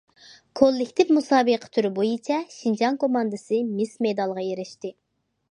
كوللېكتىپ مۇسابىقە تۈرى بويىچە شىنجاڭ كوماندىسى مىس مېدالغا ئېرىشتى.